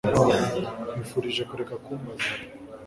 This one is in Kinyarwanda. nkwifurije kureka kumbaza aba